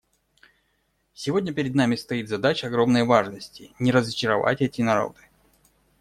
Сегодня перед нами стоит задача огромной важности: не разочаровать эти народы.